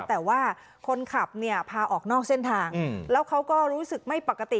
แต่ว่าคนขับเนี่ยพาออกนอกเส้นทางแล้วเขาก็รู้สึกไม่ปกติ